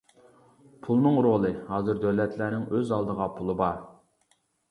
پۇلنىڭ رولى ھازىر دۆلەتلەرنىڭ ئۆز ئالدىغا پۇلى بار.